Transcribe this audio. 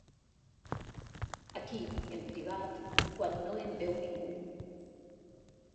Aquí, en privat, quan no em veu ningú.